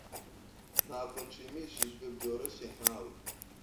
Ntabwo nshimishijwe byoroshye nkawe.